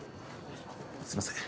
すいません。